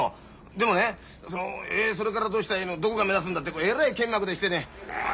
でもね「えそれからどうしたえ」のどこが目立つんだってえらいけんまくでしてね。